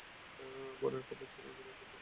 বরের কাপড় ছিঁড়িয়া গেল, টোপর ভাঙিয়া গেল।